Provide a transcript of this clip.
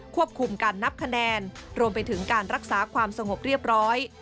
ควบคุมการนับคะแนนรวมไปถึงการรักษาความสงบเรียบร้อย